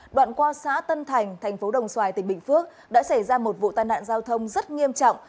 đoạn qua xã tân thành thành phố đồng xoài tỉnh bình phước đã xảy ra một vụ tai nạn giao thông rất nghiêm trọng